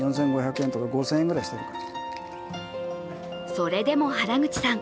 それでも原口さん